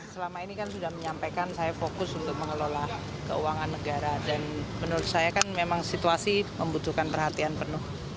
selama ini kan sudah menyampaikan saya fokus untuk mengelola keuangan negara dan menurut saya kan memang situasi membutuhkan perhatian penuh